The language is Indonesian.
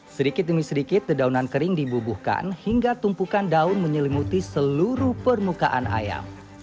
sedikit demi sedikit dedaunan kering dibubuhkan hingga tumpukan daun menyelimuti seluruh permukaan ayam